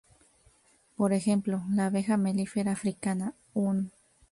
Por ejemplo, la abeja melífera africana, "Un.